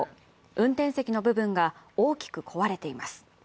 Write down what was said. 運転席の部分が大きく壊れています。